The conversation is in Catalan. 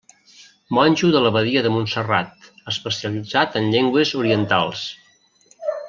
Monjo de l'Abadia de Montserrat, especialitzat en llengües orientals.